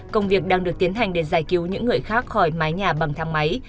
công việc đang được tiến hành để giải cứu những người khác khỏi mái nhà bằng thang máy